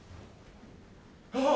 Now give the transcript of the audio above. ああ。